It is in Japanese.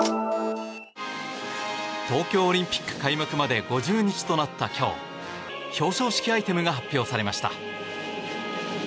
東京オリンピック開幕まで５０日となった今日表彰式アイテムが発表されました。